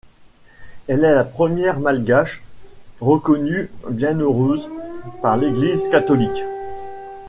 Elle est la première Malgache reconnue bienheureuse par l'Église catholique.